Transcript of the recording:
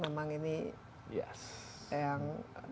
memang ini yang